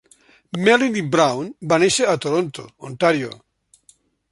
Melleny Brown va néixer a Toronto, Ontario.